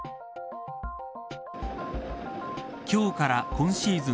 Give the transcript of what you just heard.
今日から今シーズン